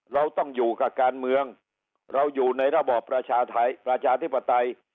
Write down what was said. เราต้องอยู่กับการเมืองเราอยู่ในระบอบประชาธิปไตย